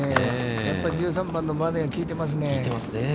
やっぱり１３番のバーディーが効いていますね。